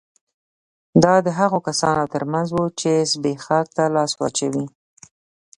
دا د هغو کسانو ترمنځ وو چې زبېښاک ته لاس واچوي